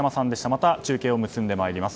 また中継を結んでまいります。